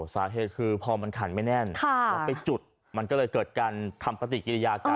สาเหตุคือพอมันขันไม่แน่นแล้วไปจุดมันก็เลยเกิดการทำปฏิกิริยากัน